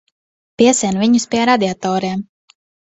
Piesien viņus pie radiatoriem.